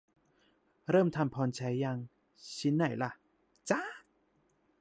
"เริ่มทำพรชัยยัง" ชิ้นไหนล่ะ ? จ๊าก